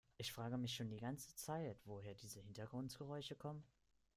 Ich frage mich schon die ganze Zeit, woher diese Hintergrundgeräusche kommen.